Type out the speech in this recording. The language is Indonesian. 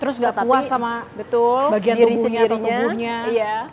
terus nggak puas sama bagian tubuhnya atau tubuhnya